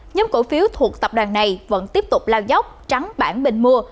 nhóm cổ phiếu thuộc tập đoàn này vẫn tiếp tục lao dốc trắng bản mình mua